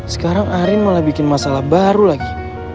sekarang arin malah bikin masalah baru lagi